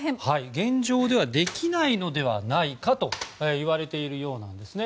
現状ではできないのではないかといわれているようなんです。